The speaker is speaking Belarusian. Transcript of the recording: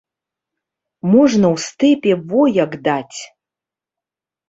Можна ў стэпе во як даць!